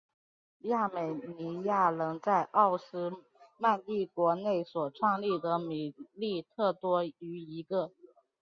亚美尼亚人在奥斯曼帝国内所创立的米利特多于一个。